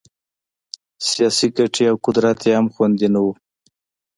سیاسي ګټې او قدرت یې هم خوندي نه وو.